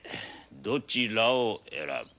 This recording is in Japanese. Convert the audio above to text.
どちらを選ぶ？